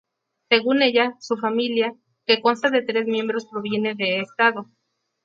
Según ella, su familia, que consta de tres miembros, proviene de Edo.